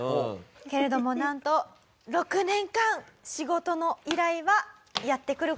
けれどもなんと６年間仕事の依頼はやってくる事はありませんでした。